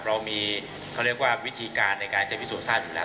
เรามีเขาเรียกว่าวิธีการในการจะพิสูจนทราบอยู่แล้ว